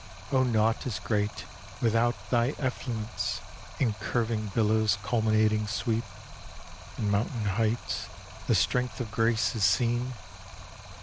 O naught is great without thy effluence! In curving billow's culminating sweep, In mountain heights, the strength of grace is seen.